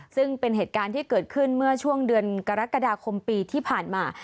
ซึ่งเป็นเหตุการณ์ที่เกิดขึ้นเมื่อช่วงเดือนกรกฎาคมปีที่ผ่านมา